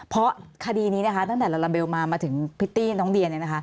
เพราะคดีนี้นะคะตั้งแต่ลาลาเบลมามาถึงพริตตี้น้องเดีย